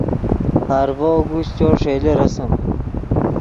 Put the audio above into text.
خارڤو اگوشچو ݰئیلے رسم